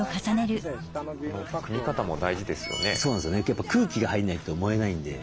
やっぱ空気が入んないと燃えないんで。